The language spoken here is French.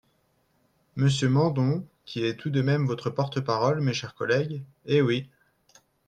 Monsieur Mandon qui est tout de même votre porte-parole, mes chers collègues, Eh oui